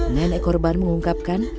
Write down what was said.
nenek korban mengungkapkan